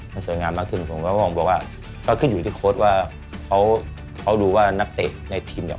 บางคนบอกว่าก็ขึ้นอยู่ที่โค้ชว่าเขาดูว่านักเตะในทีมเนี่ย